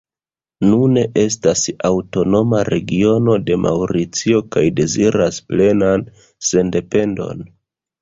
Nune estas aŭtonoma regiono de Maŭricio, kaj deziras plenan sendependon.